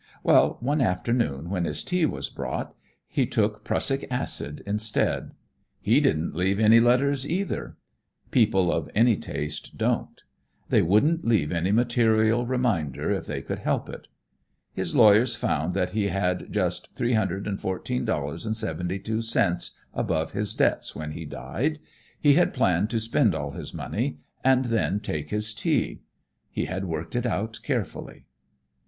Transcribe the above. Well, one afternoon when his tea was brought, he took prussic acid instead. He didn't leave any letters, either; people of any taste don't. They wouldn't leave any material reminder if they could help it. His lawyers found that he had just $314.72 above his debts when he died. He had planned to spend all his money, and then take his tea; he had worked it out carefully."